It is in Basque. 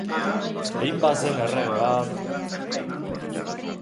Behin bazen errege bat....